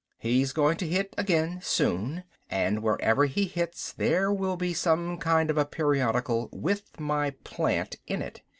He's going to hit again soon, and wherever he hits there will be some kind of a periodical with my plant in it.